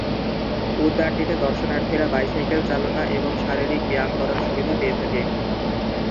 উদ্যানটিতে দর্শনার্থীরা বাইসাইকেল চালনা এবং শারীরিক ব্যায়াম করার সুবিধা পেয়ে থাকে।